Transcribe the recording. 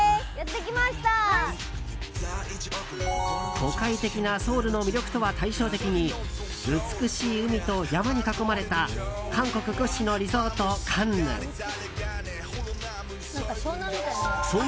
都会的なソウルの魅力とは対照的に美しい海と山に囲まれた韓国屈指のリゾート、カンヌン。